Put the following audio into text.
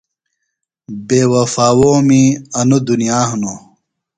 بے وفاؤں می انوۡ دُنیا ہنوۡ۔